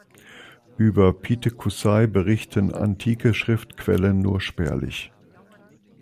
Über Pithekoussai berichten antike Schriftquellen nur spärlich.